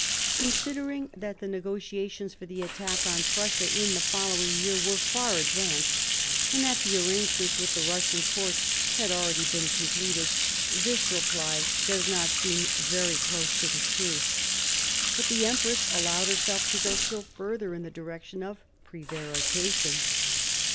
Considering that the negotiations for the attack on Prussia in the following year were far advanced, and that the arrangements with the Eussian court had already been completed, this reply does not seem very close to the truth. But the empress allowed herself to go still further in the direction of prevarication.